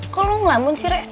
kok lo ngelamun sih re